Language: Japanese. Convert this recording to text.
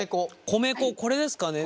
米粉これですかね？